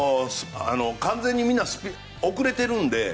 完全にみんな遅れているので。